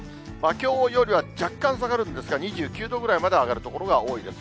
きょうよりは若干下がるんですが、２９度ぐらいまで上がる所が多いです。